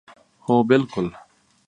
هو بلکل